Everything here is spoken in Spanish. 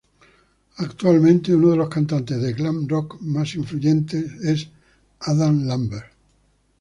Actualmente, uno de los cantantes de "glam rock" más influyentes es Adam Lambert.